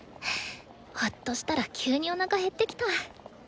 ほっとしたら急におなか減ってきた。